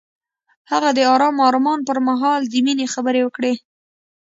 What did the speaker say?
هغه د آرام آرمان پر مهال د مینې خبرې وکړې.